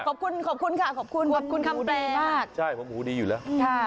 ขอบคุณขอบคุณค่ะขอบคุณขอบคุณคำแปลมากใช่ผมหูดีอยู่แล้วค่ะ